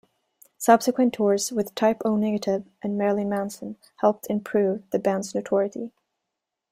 Subsequent tours with Type O Negative and Marilyn Manson helped improve the band's notoriety.